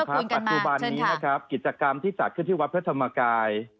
คุณจอมขวัญครับปัจจุบันนี้นะครับกิจกรรมที่จัดขึ้นที่วัฒนธรรมกาย